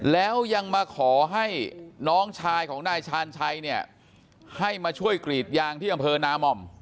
แล้วยังมาขอให้น้องชายของนายชาญชัยเนี่ยให้มาช่วยกรีดยางที่อำเภอนาม่อม